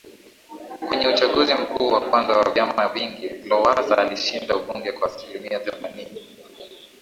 Kwenye Uchaguzi Mkuu wa kwanza wa vyama vingi Lowassa alishinda ubunge kwa asilimia themanini